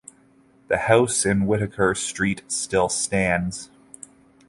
The house in Whittaker Street still stands.